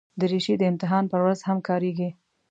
دریشي د امتحان پر ورځ هم کارېږي.